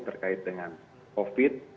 terkait dengan covid sembilan belas